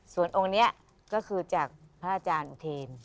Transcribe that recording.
ส่วนองค์นี้ก็คือจากพระอาจารย์อุเทน